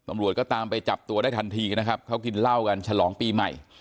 ตำรวจก็ตามไปจับตัวได้ทันทีนะครับเขากินเหล้ากันฉลองปีใหม่